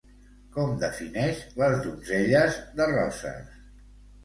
Com defineix les donzelles de Roses?